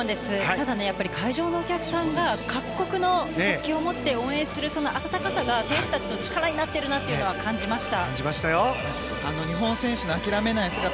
ただ、やっぱり会場のお客さんが各国の国旗を持って応援する温かさが選手たちの力になっていると思いました。